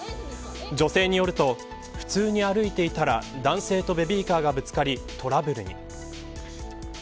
女性によると普通に歩いていたら男性とベビーカーがぶつかりトラブルに。